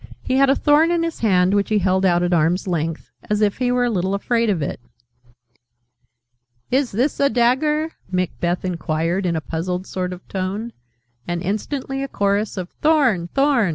He had a thorn in his hand, which he held out at arm's length, as if he were a little afraid of it. "Is this a dagger?" Macbeth inquired, in a puzzled sort of tone: and instantly a chorus of "Thorn! Thorn!"